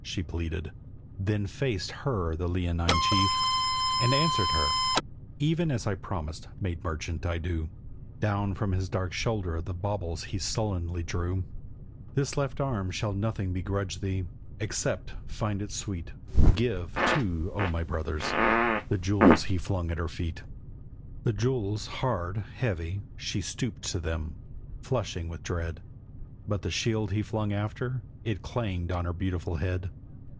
she pleaded. Then faced her the leonine chief, And answered her: 'Even as I promised, maid merchant, I do.' Down from his dark shoulder the baubles he sullenly drew. 'This left arm shall nothing begrudge thee. Accept. Find it sweet. Give, too, O my brothers!' The jewels he flung at her feet, The jewels hard, heavy; she stooped to them, flushing with dread, But the shield he flung after: it clanged on her beautiful head.